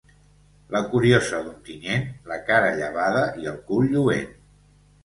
La curiosa d'Ontinyent, la cara llavada i el cul lluent.